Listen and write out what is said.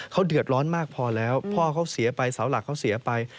เขาเดือดร้อนมากพอแล้วพ่อเขาเสียไปเสาหลักเขาเสียไป